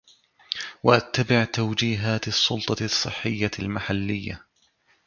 واتّبع توجيهات السلطة الصحية المحلية